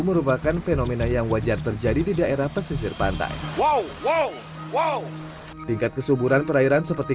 merupakan fenomena yang wajar terjadi di daerah pesisir pantai tingkat kesuburan perairan seperti